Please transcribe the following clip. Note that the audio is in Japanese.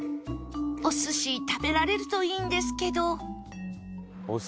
お寿司食べられるといいんですけど